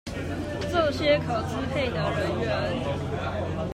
這些可支配的人員